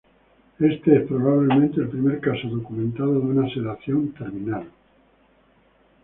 Este es probablemente el primer caso documentado de una sedación terminal.